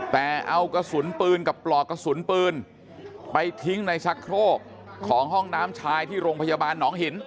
แต่เอากระสุนปืนกับปลอกกระสุนปืนไปทิ้งในชักโครกของห้องน้ำชายที่โรงพยาบาลหนองหิน